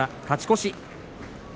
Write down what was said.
勝ち越し。